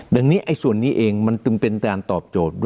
ดังนั้นส่วนนี้เองมันเป็นการตอบโจทย์ด้วย